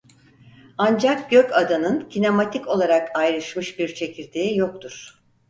Ancak gökadanın kinematik olarak ayrışmış bir çekirdeği yoktur.